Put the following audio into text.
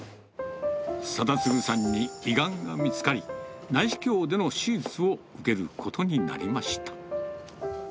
定嗣さんに胃がんが見つかり、内視鏡での手術を受けることになりました。